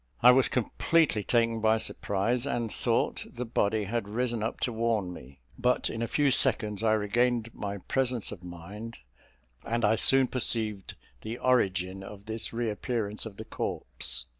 I was completely taken by surprise, and thought the body had risen up to warn me; but in a few seconds I regained my presence of mind, and I soon perceived the origin of this reappearance of the corpse.